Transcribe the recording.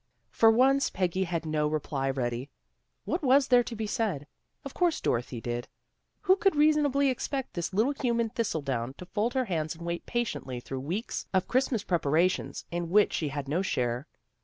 For once Peggy had no reply ready. What was there to be said? Of course Dorothy did. Who could reasonably expect this little human thistle down to fold her hands and wait patiently through weeks of Christmas preparations in which she had no share.